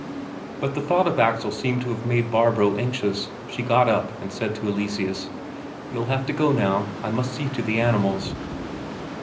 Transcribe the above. But the thought of Axel seemed to have made Barbro anxious; she got up, and said to Eleseus: "You'll have to go now; I must see to the animals."